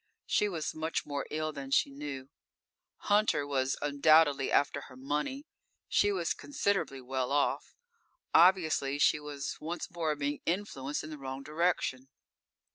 She was much more ill than she knew. Hunter was undoubtedly after her money; she was considerably well off. Obviously she was once more being influenced in the wrong direction.